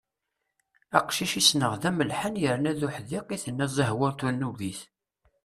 Aqcic i ssneɣ d amellḥan yerna d uḥdiq i tenna Zehwa tanubit.